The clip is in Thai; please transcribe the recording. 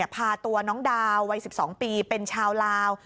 พาตัวน้องดาววัย๑๒ปีเป็นชาวลาว